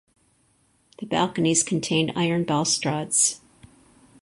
The balconies contained iron balustrades.